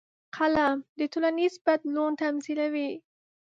قلم د ټولنیز بدلون تمثیلوي